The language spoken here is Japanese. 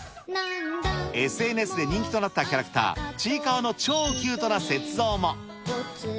ＳＮＳで人気となったキャラクター、ちいかわの超キュートな雪像も。